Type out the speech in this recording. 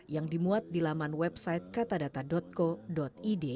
yang dimuat di laman website katadata co id